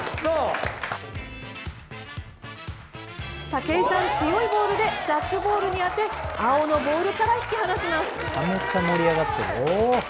武井さん、強いボールでジャックボールに当て青のボールから引き離します。